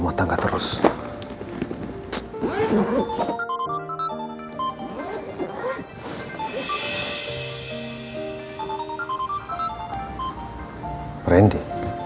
mendingan hari ini